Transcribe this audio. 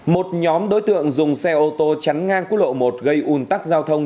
một nhóm đối tượng dùng xe ô tô chắn ngang cuối lộ một gây un tắc giao thông